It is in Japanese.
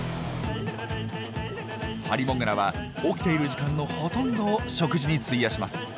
ハリモグラは起きている時間のほとんどを食事に費やします。